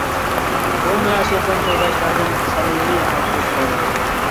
بۇ مۇناسىۋەت بىلەن تورداشلاردىن سەمىمىي ئەپۇ سورايمەن.